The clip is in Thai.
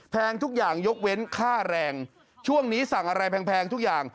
แพงทุกอย่างยกเว้นค่าแรงช่วงนี้สั่งอะไรแพงทุกอย่าง